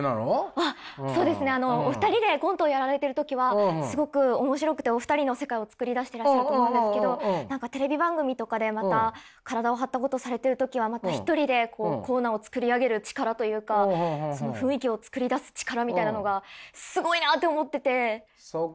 あっそうですねお二人でコントをやられてる時はすごく面白くてお二人の世界をつくり出してらっしゃると思うんですけど何かテレビ番組とかでまた体を張ったことをされてる時はまた一人でこうコーナーを作り上げる力というかその雰囲気を作り出す力みたいなのがすごいなって思ってて。